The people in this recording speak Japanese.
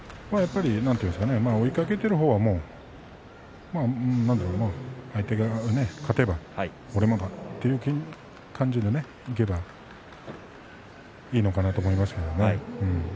追いかけている方は相手が勝てば俺もだ、という感じでいけばいいのかなと思いますけどね。